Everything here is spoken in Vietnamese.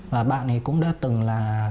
và bạn ấy cũng đã từng là